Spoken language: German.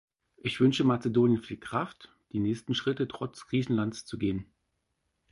Ich wünsche Mazedonien viel Kraft, die nächsten Schritte trotz Griechenlands zu gehen.